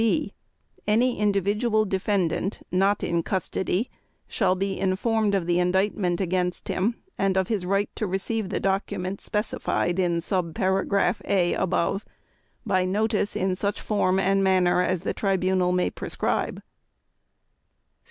(b) Any individual defendant not in custody shall be informed of the indictment against him and of his right to receive the documents specified in sub paragraph (a) above, by notice in such form and manner as the Tribunal may prescribe.